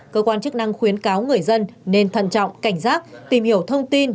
cơ quan chức năng khuyến cáo người dân nên thận trọng cảnh giác tìm hiểu thông tin